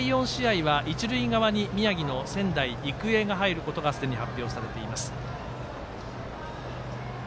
第４試合は一塁側に宮城、仙台育英が入ることがすでに発表されています。